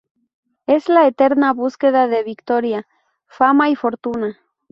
Es la eterna búsqueda de victoria, fama y fortuna.